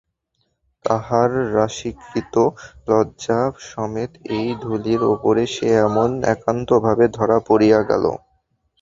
তাহার রাশীকৃত-লজ্জা-সমেত এই ধূলির উপরে সে এমন একান্তভাবে ধরা পড়িয়া গেল।